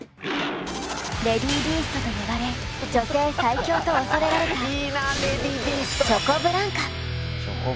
レディ・ビーストと呼ばれ女性最強と恐れられたチョコブランカ。